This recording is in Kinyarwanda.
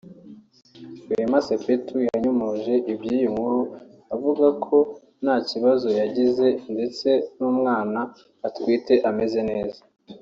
Wema Sepetu yanyomoje iby’iyi nkuru avuga ko nta kibazo yagize ndetse n’umwana atwite ameze neza